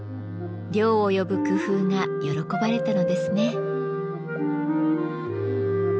涼を呼ぶ工夫が喜ばれたのですね。